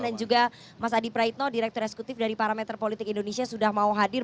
dan juga mas adi praitno direktur eksekutif dari parameter politik indonesia sudah mau hadir